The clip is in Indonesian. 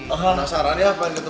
benar benar benar ya pak neng sri